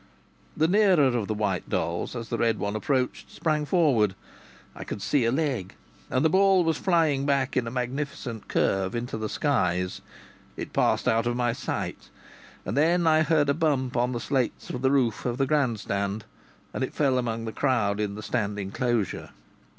The nearer of the white dolls, as the red one approached, sprang forward. I could see a leg. And the ball was flying back in a magnificent curve into the skies; it passed out of my sight, and then I heard a bump on the slates of the roof of the grand stand, and it fell among the crowd in the stand enclosure.